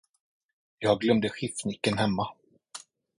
Jag glömde skiftnyckeln hemma.